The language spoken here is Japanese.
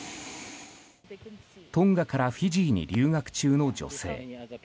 トンガからフィジーに留学中の女性。